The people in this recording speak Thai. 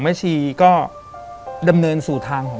แต่ขอให้เรียนจบปริญญาตรีก่อน